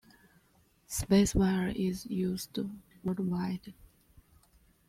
SpaceWire is used worldwide.